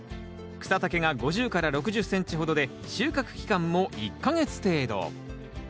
草丈が５０６０ｃｍほどで収穫期間も１か月程度。